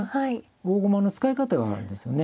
大駒の使い方があれですよね。